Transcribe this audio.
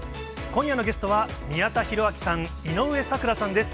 今夜のゲストは、宮田裕章さん、井上咲楽さんです。